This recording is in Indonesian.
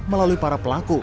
melalui para pelaku